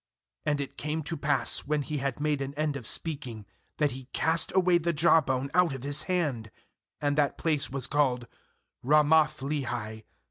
17And it came to pass, when he had made an end of speaking, that he cast away the jawbone out of his hand; and that place was called 'Ramath lehi.